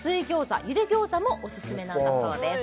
茹で餃子もオススメなんだそうです